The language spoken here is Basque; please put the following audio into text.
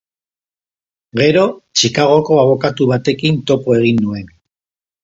Gero, Chicagoko abokatu batekin topo egin nuen.